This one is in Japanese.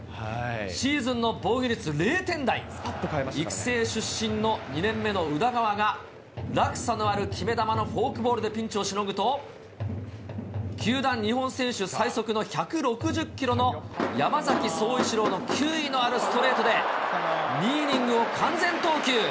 シーズンの防御率０点台、育成出身の２年目の宇田川が、落差のある決め球のフォークボールでピンチをしのぐと、球団日本選手最速の１６０キロの山崎颯一郎の球威のあるストレートで、２イニングを完全投球。